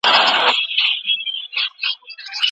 السلام علیکم ووایئ.